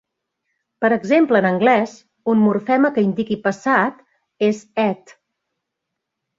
Per exemple, en anglès, un morfema que indiqui passat és "-ed".